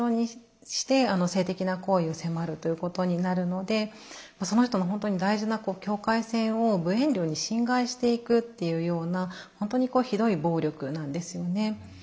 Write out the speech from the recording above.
性的な行為を迫るということになるのでその人の本当に大事な境界線を無遠慮に侵害していくっていうような本当にひどい暴力なんですよね。